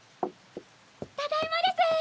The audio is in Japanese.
ただいまです。